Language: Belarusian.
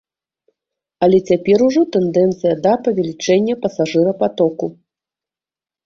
Але цяпер ужо тэндэнцыя да павелічэння пасажырапатоку.